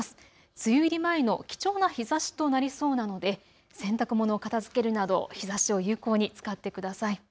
梅雨入り前の貴重な日ざしとなりそうなので洗濯物を片づけるなど日ざしを有効に使ってください。